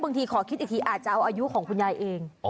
ขอคิดอีกทีอาจจะเอาอายุของคุณยายเอง